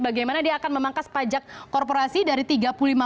bagaimana dia akan memangkas pajak korporasi dari tiga negara